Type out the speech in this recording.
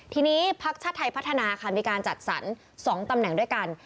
ทีนี้พักชาติไทยพัฒนาค่ะมีการจัดสรร๒ตำแหน่งด้วยกัน